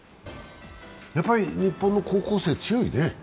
やっぱり日本の高校生強いね。